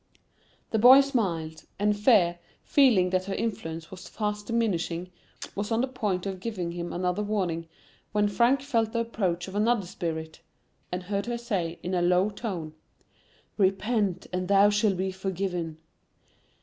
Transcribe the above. The boy smiled, and Fear, feeling that her influence was fast diminishing, was on the point of giving him another warning, when Frank felt the approach of another spir[Pg 13]it, and heard her say, in a low tone, "Repent, and thou shall be forgiven."